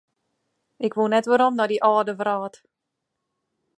Ik woe net werom nei dy âlde wrâld.